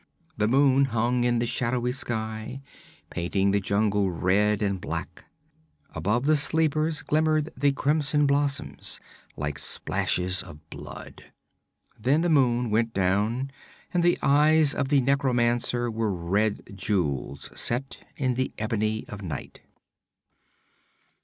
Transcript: The moon hung in the shadowy sky, painting the jungle red and black; above the sleepers glimmered the crimson blossoms, like splashes of blood. Then the moon went down and the eyes of the necromancer were red jewels set in the ebony of night.